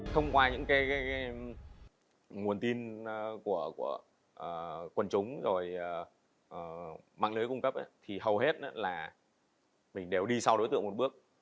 thông qua những nguồn tin của quần chúng rồi mạng lưới cung cấp thì hầu hết là mình đều đi sau đối tượng một bước